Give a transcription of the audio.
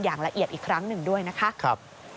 อย่างละเอียดอีกครั้งหนึ่งด้วยนะคะ